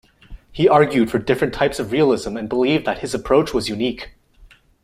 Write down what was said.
He argued for different types of realism and believed that his approach was unique.